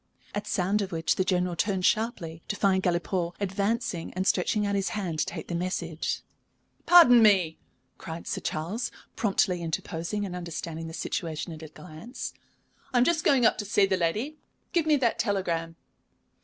At sound of which the General turned sharply, to find Galipaud advancing and stretching out his hand to take the message. "Pardon me," cried Sir Charles, promptly interposing and understanding the situation at a glance. "I am just going up to see that lady. Give me the telegram."